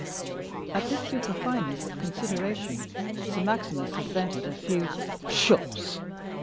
At this superfineness of consideration Sir Maximus had vented a few "pshaws!"